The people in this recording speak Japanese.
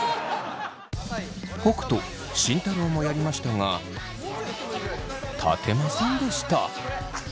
北斗慎太郎もやりましたが立てませんでした。